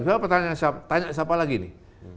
saya tanya siapa lagi nih